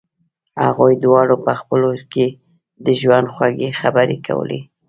هغوی دواړو په خپلو کې د ژوند خوږې خبرې کولې